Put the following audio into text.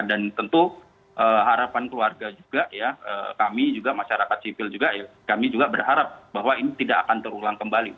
dan tentu harapan keluarga juga ya kami juga masyarakat sivil juga ya kami juga berharap bahwa ini tidak akan terulang kembali